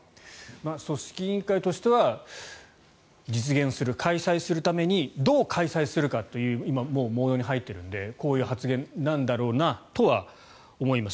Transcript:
組織委員会としては実現する、開催するためにどう開催するかという今、モードに入っているのでこういう発言なんだろうなとは思います。